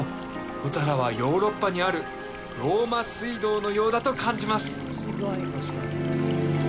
ホタラはヨーロッパにあるローマ水道のようだと感じます